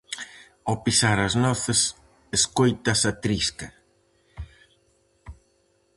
Ao pisar as noces escóitase a trisca.